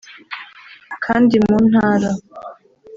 kandi mu ntara